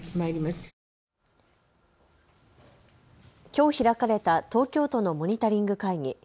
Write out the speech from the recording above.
きょう開かれた東京都のモニタリング会議。